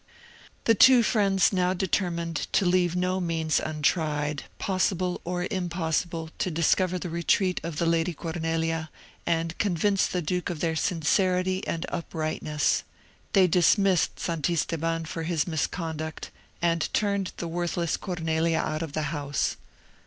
The two friends now determined to leave no means untried, possible or impossible, to discover the retreat of the Lady Cornelia, and convince the duke of their sincerity and uprightness. They dismissed Santisteban for his misconduct, and turned the worthless Cornelia out of the house.